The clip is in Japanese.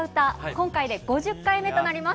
今回で５０回目となります。